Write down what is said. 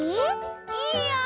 「いいよ！」。